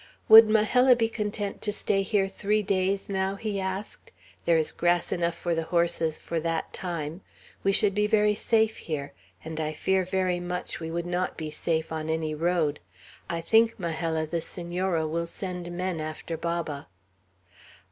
"Would Majella be content to stay here three days now?" he asked. "There is grass enough for the horses for that time. We should be very safe here; and I fear very much we should not be safe on any road. I think, Majella, the Senora will send men after Baba."